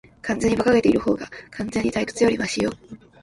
完全に馬鹿げているほうが、完全に退屈よりマシよ。